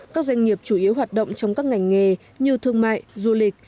các doanh nghiệp chủ yếu hoạt động trong các ngành nghề như thương mại du lịch